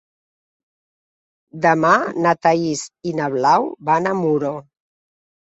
Demà na Thaís i na Blau van a Muro.